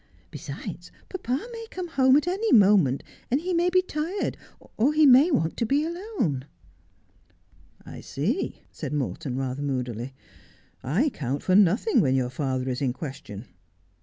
Besides, papa may come home at any moment, and he may be tired, or he may want to be alone.' ' I see,' said Morton, rather moodily. ' I count for nothing when your father is in question.